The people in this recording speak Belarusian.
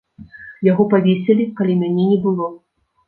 Яго павесілі, калі мяне не было.